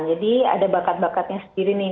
jadi ada bakat bakatnya sendiri nih